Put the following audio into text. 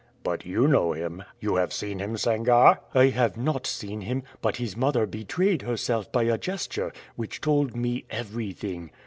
"But you know him; you have seen him, Sangarre?" "I have not seen him; but his mother betrayed herself by a gesture, which told me everything."